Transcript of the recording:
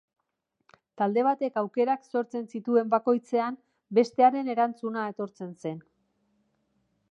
Talde batek aukerak sortzen zituen bakoitzean bestearen erantzuna etortzen zen.